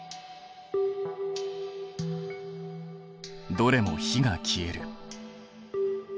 どれも火が消える。